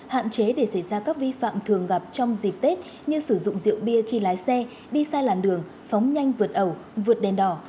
hạn chế để xảy ra các vi phạm thường gặp trong dịp tết như sử dụng rượu bia khi lái xe đi sai làn đường phóng nhanh vượt ẩu vượt đèn đỏ